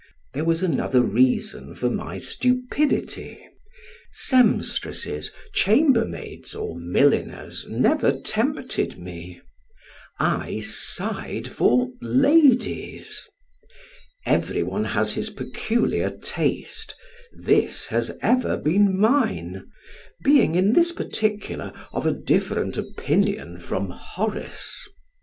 There was another reason for my stupidity. Seamstresses, chambermaids, or milliners, never tempted me; I sighed for ladies! Every one has his peculiar taste, this has ever been mine; being in this particular of a different opinion from Horace.